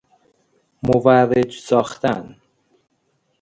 مروج ساختن